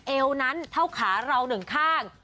เอวนั้นเท่าขาเราหนึ่งข้าง